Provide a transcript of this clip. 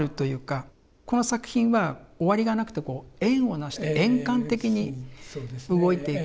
この作品は終わりがなくて円をなして円環的に動いていく。